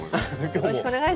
よろしくお願いします。